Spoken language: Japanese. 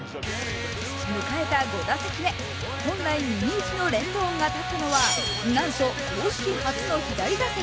迎えた５打席目、本来、右打ちのレンドーンが立ったのはなんと公式初の左打席。